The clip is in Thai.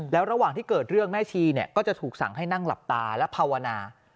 แล้วระหว่างที่เกิดเรื่องแม่ชีก็จะถูกสั่งให้นั่งหลับตาและภาวนา